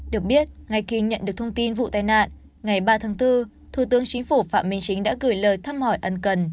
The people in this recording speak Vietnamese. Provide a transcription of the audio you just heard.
được biết ngay khi nhận được thông tin vụ tai nạn ngày ba tháng bốn thủ tướng chính phủ phạm minh chính đã gửi lời thăm hỏi ân cần